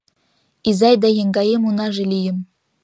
Изай ден еҥгаем унаже лийым.